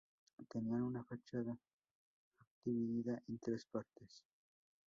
Tiene una fachada dividida en tres partes.